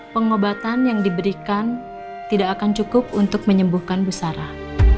pengobatan yang diberikan tidak akan cukup untuk menyembuhkan busarah